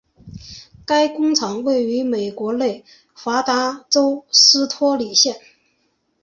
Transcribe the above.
该工厂位于美国内华达州斯托里县。